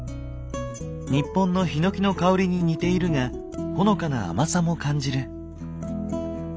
日本のヒノキの香りに似ているがほのかな甘さも感じる。